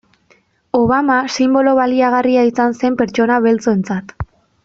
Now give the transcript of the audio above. Obama sinbolo baliagarria izan zen pertsona beltzontzat.